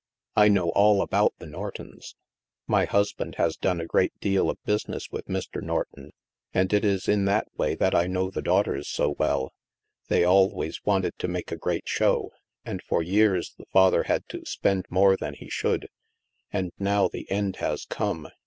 " I know all about the Nortons. My husband has done a great deal of business with Mr. Norton, and it is in that way that I know the daughters so well. They always wanted to make a great show, and for years the father had to spend more than he should, and now the end has come.